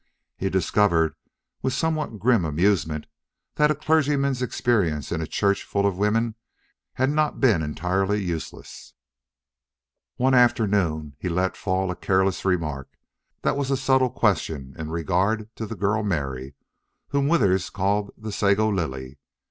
He discovered, with a somewhat grim amusement, that a clergyman's experience in a church full of women had not been entirely useless. One afternoon he let fall a careless remark that was a subtle question in regard to the girl Mary, whom Withers called the Sago Lily.